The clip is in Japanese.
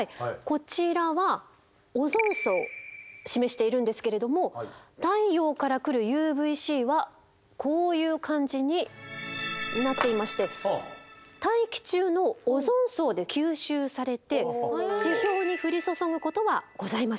こちらはオゾン層を示しているんですけれども太陽から来るＵＶ−Ｃはこういう感じになっていまして大気中のオゾン層で吸収されて地表に降り注ぐことはございません。